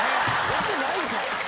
やってないんかい！